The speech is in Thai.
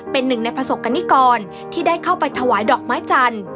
เป็นหนึ่งในประสบกรณิกรที่ได้เข้าไปถวายดอกไม้จันทร์